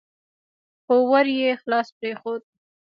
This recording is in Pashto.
خو ور يې خلاص پرېښود.